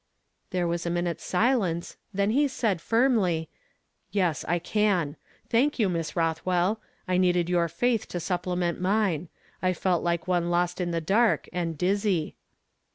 " There was a minute's silence, then he said finnly, Yes, I can. Thank you, Miss Rothwell. I needed your faith to suppleiue.it mine ; I felt like one lost in the dark, and dizzy."